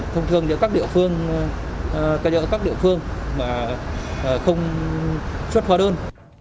thông thường cho các địa phương mà không xuất hòa đơn